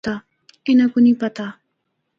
اُنّاں کو نیں پتہ۔